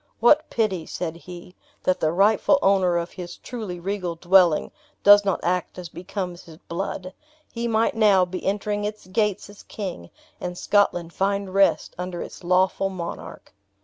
"What pity," said he, "that the rightful owner of his truly regal dwelling does not act as becomes his blood! He might now be entering its gates as king, and Scotland find rest under its lawful monarch."